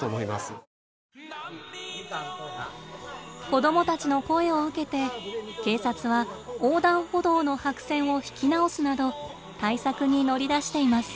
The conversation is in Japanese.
子どもたちの声を受けて警察は横断歩道の白線を引き直すなど対策に乗り出しています。